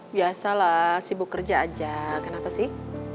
biasalah sibuk kerja aja kenapa sih